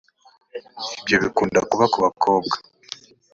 ibyo bikunda kuba ku bakobwa